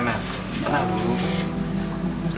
mel tenang dulu